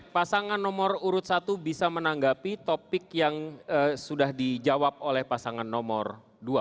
pasangan nomor urut satu bisa menanggapi topik yang sudah dijawab oleh pasangan nomor dua